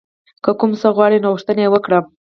که کوم څه غواړئ نو غوښتنه یې وکړئ.